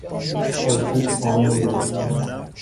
خورشید پایین بود.